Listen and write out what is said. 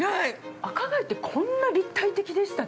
赤貝ってこんな立体的でした？